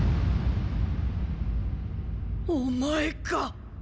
お前か。